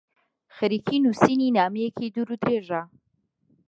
خەریکی نووسینی نامەیەکی دوورودرێژە.